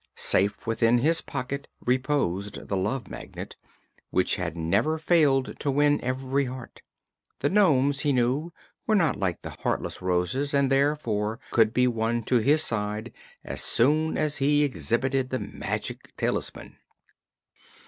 Safe within his pocket reposed the Love Magnet, which had never failed to win every heart. The nomes, he knew, were not like the heartless Roses and therefore could be won to his side as soon as he exhibited the magic talisman.